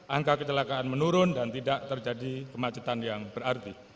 angka kecelakaan menurun dan tidak terjadi kemacetan yang berarti